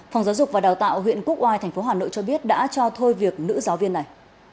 phòng giáo dục và đào tạo huyện quốc oai tp hà nội cho biết đã cho thôi việc nữ giáo viên này